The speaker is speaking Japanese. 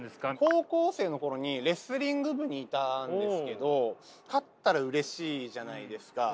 高校生の頃にレスリング部にいたんですけど勝ったらうれしいじゃないですか。